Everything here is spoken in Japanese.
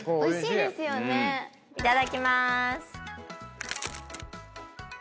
いただきまーす。